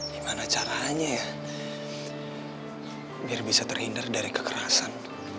gimana caranya ya biar bisa terhindar dari kekerasan